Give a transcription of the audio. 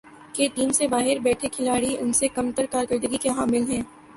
کہ ٹیم سے باہر بیٹھے کھلاڑی ان سے کم تر کارکردگی کے حامل ہیں ۔